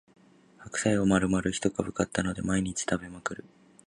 白菜をまるまる一株買ったので毎日食べまくる